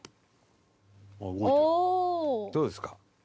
どうですか？